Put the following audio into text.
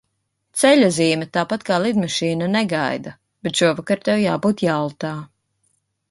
Ceļazīme, tāpat kā lidmašīna, negaida. Bet šovakar tev jābūt Jaltā.